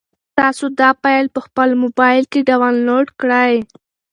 تاسو دا فایل په خپل موبایل کې ډاونلوډ کړئ.